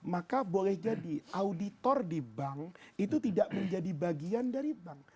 maka boleh jadi auditor di bank itu tidak menjadi bagian dari bank